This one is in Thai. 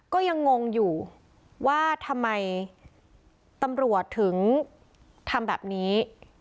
ก็ยังงงอยู่ว่าทำไมตำรวจถึงทำแบบนี้